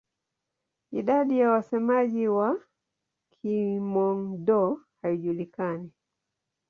Idadi ya wasemaji wa Kihmong-Dô haijulikani.